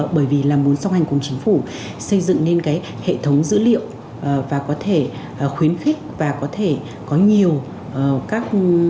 bởi vì là muốn song hành cùng chính phủ xây dựng nên cái hệ thống dữ liệu và có thể khuyến khích và có thể có nhiều các